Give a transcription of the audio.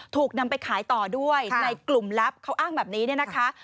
ถูกนำไปขายต่อด้วยในกลุ่มลับเขาอ้างแบบนี้เนี่ยนะคะ